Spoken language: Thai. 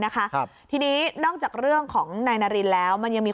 นะครับทีนี้นอกจากเรื่องของนายนารินแล้วมันยังมี